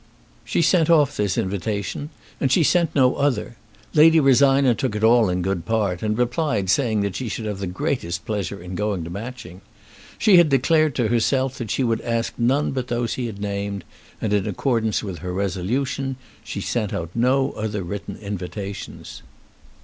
She sent off this invitation, and she sent no other. Lady Rosina took it all in good part, and replied saying that she should have the greatest pleasure in going to Matching. She had declared to herself that she would ask none but those he had named, and in accordance with her resolution she sent out no other written invitations.